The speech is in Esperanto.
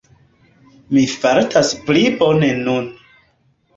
Mi fartas pli bone nun.